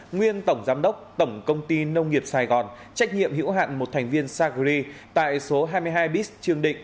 nguyên tổng giám đốc tổng công ty nông nghiệp sài gòn trách nhiệm hữu hạn một thành viên sacri tại số hai mươi hai bis trương định